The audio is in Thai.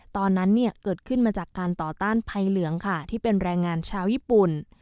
ตอนนั้นเนี่ยเกิดขึ้นมาจากการต่อต้านภัยเหลืองค่ะที่เป็นแรงงานชาวญี่ปุ่น